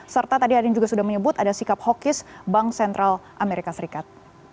serta tadi ada yang juga sudah menyebut ada sikap hawkis bank sentral amerika serikat